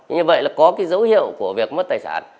như vậy là có cái dấu hiệu của việc mất tài sản